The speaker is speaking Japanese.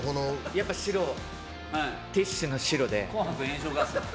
やっぱりティッシュの白で。